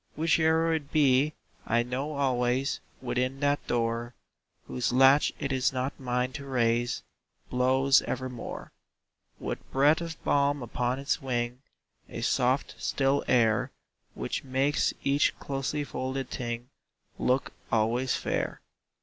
Whiche'er it be, I know always Within that door Whose latch it is not mine to raise Blows evermore, With breath of balm upon its wing, A soft, still air, Which makes each closely folded thing Look always fair.